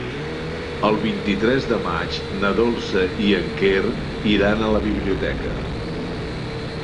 El vint-i-tres de maig na Dolça i en Quer iran a la biblioteca.